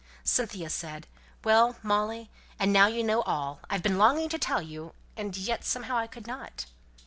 Cynthia said, "Well, Molly, and now you know all! I've been longing to tell you and yet somehow I could not."